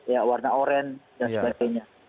ya warna oran dan sebagainya